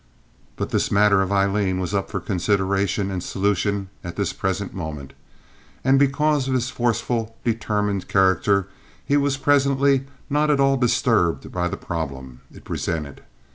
But this matter of Aileen was up for consideration and solution at this present moment, and because of his forceful, determined character he was presently not at all disturbed by the problem it presented.